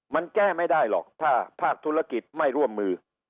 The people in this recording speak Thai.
มันแก้ไม่ได้หรอกถ้าภาคธุรกิจไม่ร่วมมือ